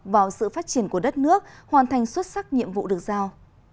vào sự phát triển của đất nước hoàn thành xuất sắc nhiệm vụ được giao